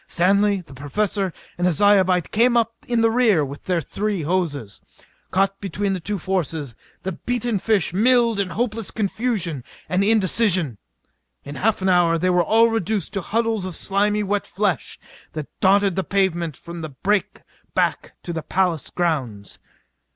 Stanley, the Professor and a Zyobite came up in the rear with their three hoses. Caught between the two forces, the beaten fish milled in hopeless confusion and indecision. In half an hour they were all reduced to huddles of slimy wet flesh that dotted the pavement from the break back to the palace grounds.